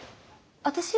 私？